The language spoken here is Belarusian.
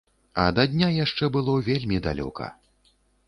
А да дня яшчэ было вельмі далёка.